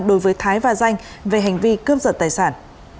đối với thái và danh về hành vi cướp giật tài sản